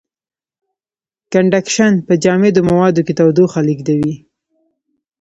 کنډکشن په جامدو موادو کې تودوخه لېږدوي.